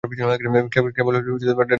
কেবল ডানার ওড়ার পালক কালো।